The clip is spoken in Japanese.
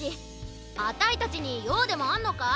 あたいたちにようでもあんのか？